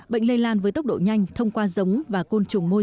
bệnh lây lan với tốc độ nhanh thông qua giống và côn trùng môi trường